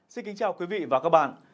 xin kính chào quý vị và các bạn